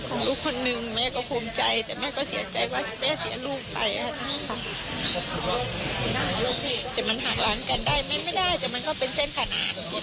แต่ลูกก็ทำดีที่สุดแล้วในชีวิตของผู้ชายคนหนึ่ง